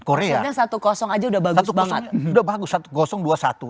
sebenarnya satu saja sudah bagus banget